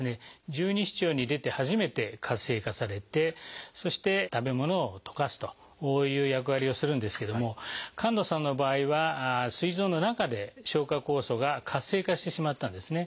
十二指腸に出て初めて活性化されてそして食べ物を溶かすという役割をするんですけども神門さんの場合はすい臓の中で消化酵素が活性化してしまったんですね。